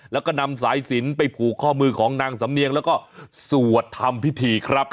แล้วก็นำสายสินไปผูกข้อมือของนางสำเนียงแล้วก็สวดทำพิธีครับ